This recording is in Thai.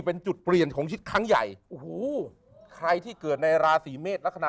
เป็นจุดเปลี่ยนของชิดครั้งใหญ่โอ้โหใครที่เกิดในราศีเมษลักษณะ